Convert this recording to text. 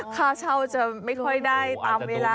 ค่าเช่าจะไม่ค่อยได้ตามเวลา